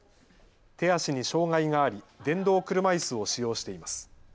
手足に障害があり電動車いすを使用しています。